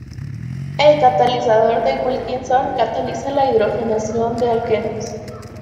El catalizador de Wilkinson cataliza la hidrogenación de alquenos.